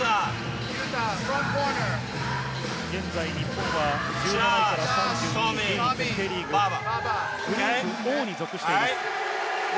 現在日本は１７位から３２位、順位決定リーグ、グループＯに属しています。